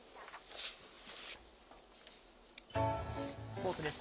スポーツです。